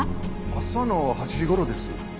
朝の８時頃です。